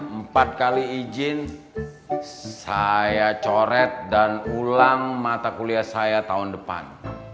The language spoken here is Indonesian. empat kali izin saya coret dan ulang mata kuliah saya tahun depan